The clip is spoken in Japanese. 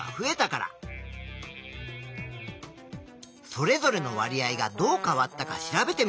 それぞれのわり合がどう変わったか調べてみよう。